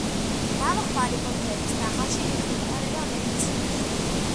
გამხმარი ფოთლების ნახარში იხმარება მედიცინაში.